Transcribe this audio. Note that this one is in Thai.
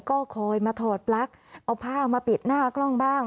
ก็คอยมาถอดปลั๊กเอาผ้ามาปิดหน้ากล้องบ้าง